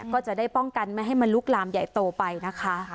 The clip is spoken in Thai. ก็จะได้ป้องกันไม่ให้มันลุกลามใหญ่โตไปนะคะ